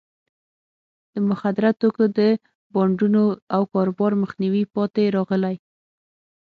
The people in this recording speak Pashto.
د مخدره توکو د بانډونو او کاروبار مخنیوي پاتې راغلی.